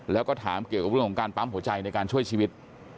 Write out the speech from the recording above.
แล้วก็ถามเกี่ยวกับเรื่องของการปั๊มหัวใจในการช่วยชีวิต